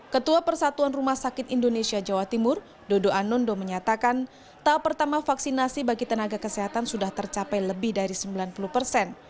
ketua persatuan rumah sakit indonesia jawa timur dodo anondo menyatakan tahap pertama vaksinasi bagi tenaga kesehatan sudah tercapai lebih dari sembilan puluh persen